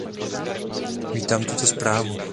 Vítám tuto zprávu.